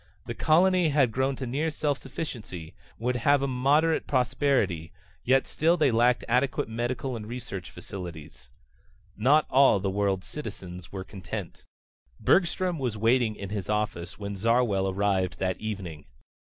The colony had grown to near self sufficiency, would soon have a moderate prosperity, yet they still lacked adequate medical and research facilities. Not all the world's citizens were content. Bergstrom was waiting in his office when Zarwell arrived that evening.